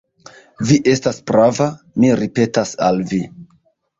Vi estas prava, mi ripetas al vi.